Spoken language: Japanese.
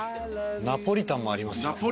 ナポリタンもありますよ。